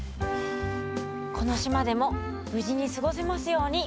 この島でも無事に過ごせますように。